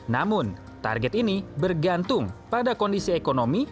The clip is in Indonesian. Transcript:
namun target ini bergantung pada kondisi ekonomi